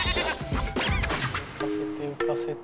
浮かせて浮かせて。